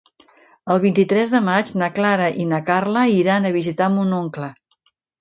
El vint-i-tres de maig na Clara i na Carla iran a visitar mon oncle.